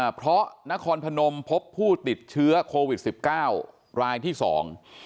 เพราะนครพนมพบผู้ติดเชื้อโควิดสิบเก้ารายที่สอง